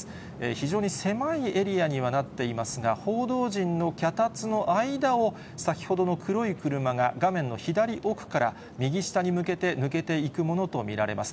非常に狭いエリアにはなっていますが、報道陣の脚立の間を、先ほどの黒い車が画面の左奥から右下に向けて抜けていくものと見られます。